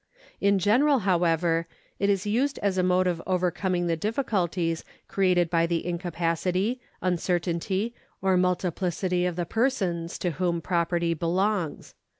In general, however, it is used as a mode of overcoming the difficulties created by the incapacity, vuiccrtainty, or multiplicity of the persons to whom property belongs.